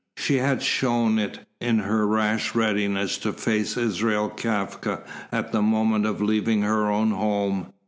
She had shone it in her rash readiness to face Israel Kafka at the moment of leaving her own home.